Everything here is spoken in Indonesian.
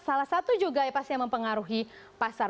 salah satu juga yang pasti yang mempengaruhi pasar